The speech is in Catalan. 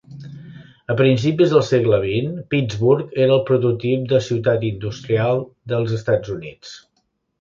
A principis del segle XX, Pittsburgh era el prototip de ciutat industrial dels Estats Units.